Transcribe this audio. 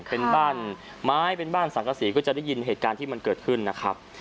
เป็นบ้านไม้เป็นบ้านสังกษีก็จะได้ยินเหตุการณ์ที่มันเกิดขึ้นนะครับ